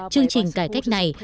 chương trình cải cách này